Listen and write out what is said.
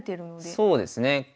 そうですね。